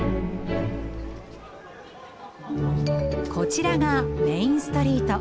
こちらがメインストリート。